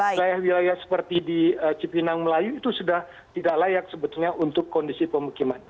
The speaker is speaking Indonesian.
wilayah wilayah seperti di cipinang melayu itu sudah tidak layak sebetulnya untuk kondisi pemukiman